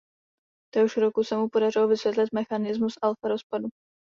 Téhož roku se mu podařilo vysvětlit mechanismus alfa rozpadu.